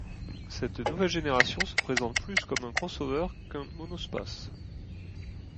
Cette nouvelle génération se présente plus comme un crossover qu'un monospace.